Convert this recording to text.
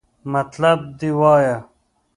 مطلب دې وایا!